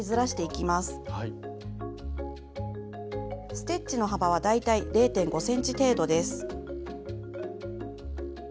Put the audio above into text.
ステッチの幅は大体０．５ｃｍ程度です。